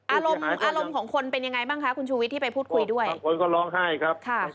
อารมณ์ของคนเป็นยังไงบ้างคะคุณชูวิทย์ที่ไปพูดคุยด้วย